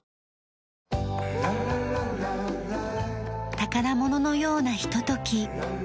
宝物のようなひととき。